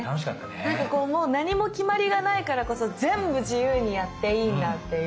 なんかこうもう何も決まりがないからこそ全部自由にやっていいんだっていう